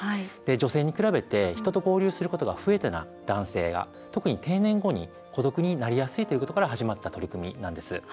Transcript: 女性に比べて人と交流することが不得手な男性が定年後に孤独になりやすいことから始まった取り組みなんです。